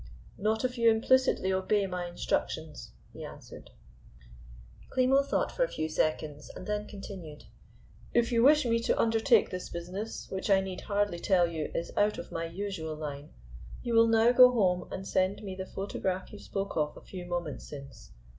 "Not if you implicitly obey my instructions," he answered. Klimo thought for a few seconds, and then continued: "If you wish me to undertake this business, which I need hardly tell you is out of my usual line, you will now go home and send me the photograph you spoke of a few moments since.